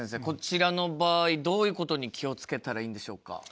こちらの場合どういうことに気を付けたらいいんでしょうか？